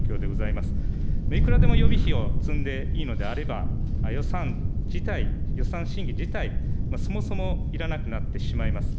いくらでも予備費を積んでいいのであれば、予算自体、予算審議自体、そもそもいらなくなってしまいます。